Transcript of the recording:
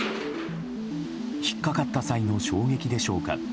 引っかかった際の衝撃でしょうか。